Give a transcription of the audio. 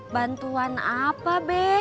bantuan apa be